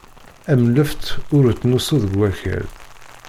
Am lleft ur nettnusu deg wakal.